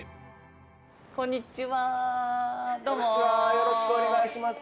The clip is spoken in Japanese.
よろしくお願いします